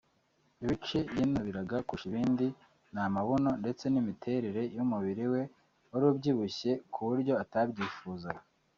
Ibice yinubiraga kurusha ibindi ni amabuno ndetse n’imiterere y’umubiri we wari ubyibushye ku buryo atabyifuzaga